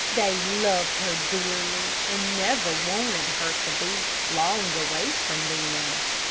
They loved her dearly, and never wanted her to be long away from them.